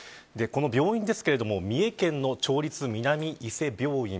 この病院ですが三重県の町立南伊勢病院。